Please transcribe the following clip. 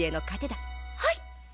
はい！